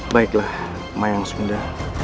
baiklah mayang sunda